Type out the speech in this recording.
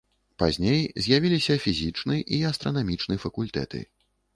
Пазней з'явіліся фізічны і астранамічны факультэты.